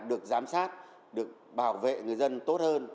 được giám sát được bảo vệ người dân tốt hơn